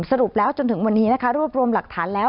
สรุปแล้วจนถึงวันนี้นะคะรวบรวมหลักฐานแล้ว